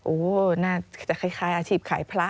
โอ้โหน่าจะคล้ายอาชีพขายพระ